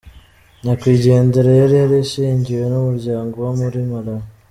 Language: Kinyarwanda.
Nyakwigendera yari yarishingiwe n’ umuryango uba muri Malawi.